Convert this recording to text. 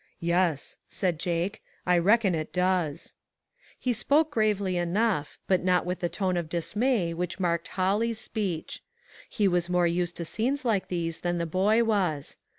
" Yes," said Jake, " I reckon it does." He spoke gravely enough, but not with the tone of dismay which marked Holly's speech. He was more used to scenes like these than the boy was.